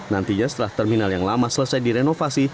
nantinya setelah terminal yang lama selesai direnovasi